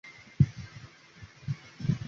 鸡仔木为茜草科鸡仔木属下的一个种。